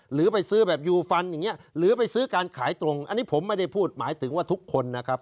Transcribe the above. หรือไปซื้อแบบยูฟันอย่างนี้หรือไปซื้อการขายตรงอันนี้ผมไม่ได้พูดหมายถึงว่าทุกคนนะครับ